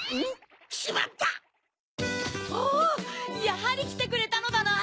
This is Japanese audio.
やはりきてくれたのだな！